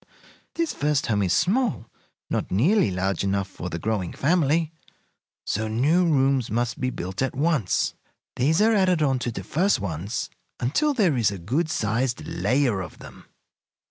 This first home is small, not nearly large enough for the growing family, so new rooms must be built at once. These are added on to the first ones until there is a good sized layer of them.